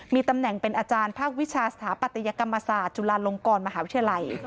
มีตำแหน่งเป็นอาจารย์ภาควิชาสถาปัตยกรรมศาสตร์จุฬาลงกรมหาวิทยาลัย